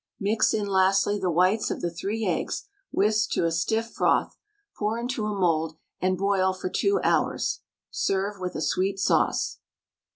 Mix in lastly the whites of the 3 eggs whisked to a stiff froth, pour into a mould, and boil for 2 hours. Serve with a sweet sauce.